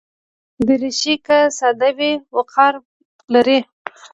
دریشي که ساده وي، وقار لري.